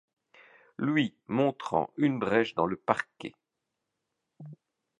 Lui montrant une brèche dans le parapet.